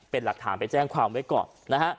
เป็นหลักฐานไปแจ้งความไว้ก่อนนะฮะ